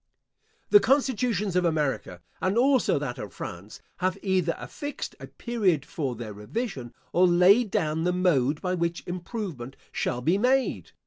The constitutions of America, and also that of France, have either affixed a period for their revision, or laid down the mode by which improvement shall be made.